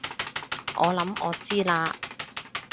我諗我知喇